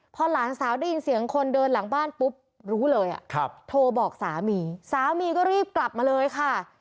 พอหลานสาวได้ยินเสียงคนเดินหลังบ้านปุ๊บรู้เลยโทรบอกสามีสามีก็รีบกลับมาเลยค่ะ